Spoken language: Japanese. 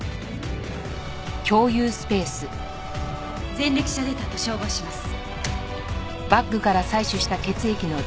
前歴者データと照合します。